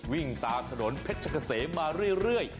วิ่งตามถนนเพชรเกษมมาเรื่อย